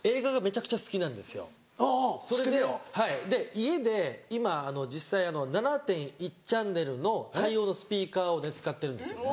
家で今実際７．１チャンネルの対応のスピーカーを使ってるんですよね。